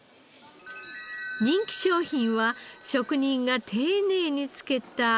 人気商品は職人が丁寧に漬けた筋子。